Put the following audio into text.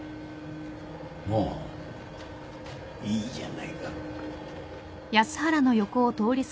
もういいじゃないか。